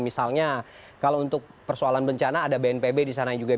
misalnya kalau untuk persoalan bencana ada bnpb disana juga bisa berintegrasi begitu